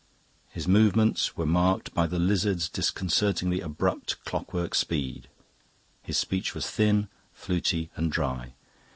His movements were marked by the lizard's disconcertingly abrupt clockwork speed; his speech was thin, fluty, and dry.